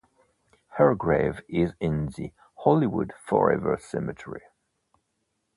Her grave is in the Hollywood Forever Cemetery.